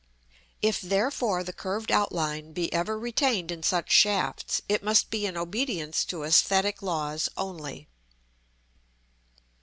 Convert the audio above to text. If, therefore, the curved outline be ever retained in such shafts, it must be in obedience to æsthetic laws only.